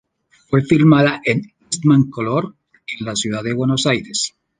Fue filmada en Eastmancolor en la Ciudad de Buenos Aires.